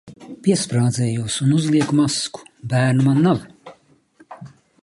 Piesprādzējos un uzlieku masku. Bērnu man nav.